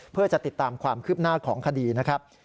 เพื่อจะติดตามความคืบหน้าของคดีนะครับ